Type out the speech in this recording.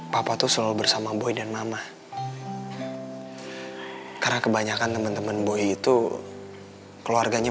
papa tuh selalu bersama boy dan mama karena kebanyakan teman teman boy itu keluarganya